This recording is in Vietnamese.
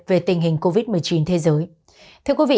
về tình hình covid một mươi chín thế giới